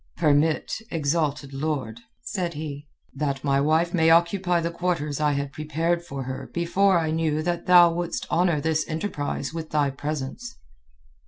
"Permit, exalted lord," said he, "that my wife may occupy the quarters I had prepared for her before I knew that thou wouldst honour this enterprise with thy presence."